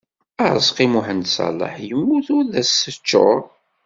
Aṛeẓqi Muḥend Ṣaleḥ, yemmut ur d as-teččur.